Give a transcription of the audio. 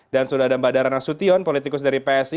dan sudah ada mbak dara nasution politikus dari psi